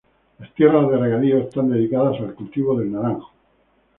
Las tierras de regadío están dedicadas al cultivo de naranjo.